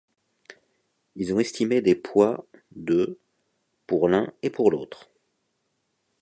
Ils ont estimé des poids de pour l’un et pour l’autre.